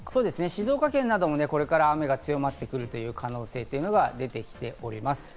静岡県なども今後雨が強まってくる可能性が出てきております。